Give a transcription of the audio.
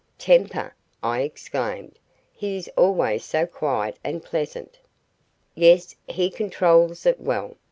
"Temper!" I exclaimed. "He is always so quiet and pleasant." "Yes, he controls it well.